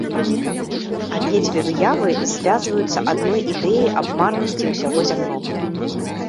Абедзве выявы звязваюцца адной ідэяй аб марнасці ўсяго зямнога.